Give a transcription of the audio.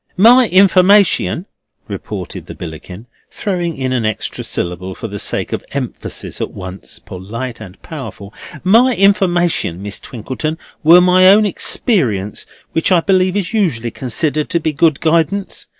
"My informiation," retorted the Billickin, throwing in an extra syllable for the sake of emphasis at once polite and powerful—"my informiation, Miss Twinkleton, were my own experience, which I believe is usually considered to be good guidance.